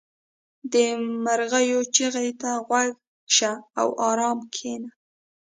• د مرغیو چغې ته غوږ شه او آرام کښېنه.